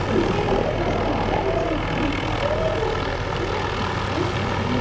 第１位「ぎっくり腰早く治す」。